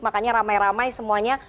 makanya ramai ramai semuanya